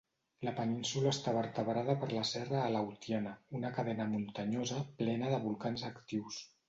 La península està vertebrada per la serra Aleutiana, una cadena muntanyosa plena de volcans actius.